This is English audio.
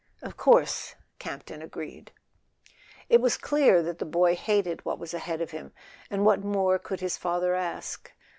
"Of course," Campton agreed. It was clear that the boy hated what was ahead of him; and what more could his father ask?